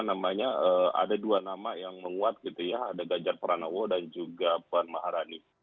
ada dua nama yang menguat gitu ya ada ganjar pranowo dan juga puan maharani